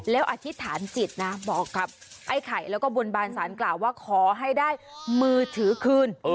แล้วอธิษฐานจิตนะบอกกับไอ้ไข่แล้วก็บนบานสารกล่าวว่าขอให้ได้มือถือคืน